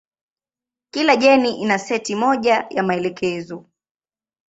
Kila jeni ina seti moja ya maelekezo.